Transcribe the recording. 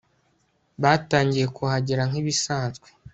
batangiye kuhagera nkibisanzwe